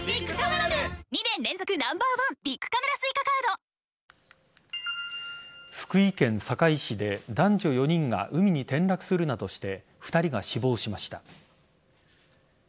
その後、アルゼンチンは３点差とし福井県坂井市で男女４人が海に転落するなどして２人が死亡しました。